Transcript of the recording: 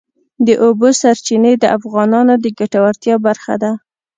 د اوبو سرچینې د افغانانو د ګټورتیا برخه ده.